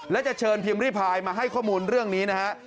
และจะเชิญพิมพ์ริพายมาให้ข้อมูลเรื่องนี้นะฮะ